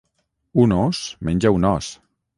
Un ós menja un os